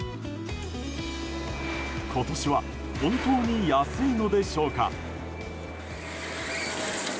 今年は本当に安いのでしょうか。